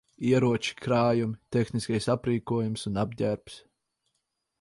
Ieroči, krājumi, tehniskais aprīkojums un apģērbs.